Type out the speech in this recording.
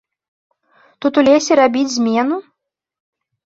Тут у лесе рабіць змену?